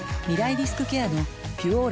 リスクケアの「ピュオーラ」